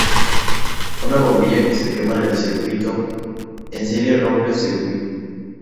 Una bombilla que se quema en un circuito en serie rompe el circuito.